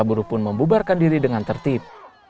buruh pun membubarkan diri dengan tertib